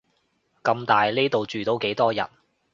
咁大，呢度住到幾多人